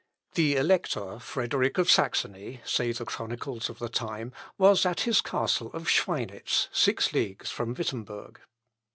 The Elector Frederick of Saxony, say the chronicles of the time, was at his castle of Schweinitz, six leagues from Wittemberg.